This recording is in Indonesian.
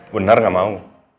bener gak mau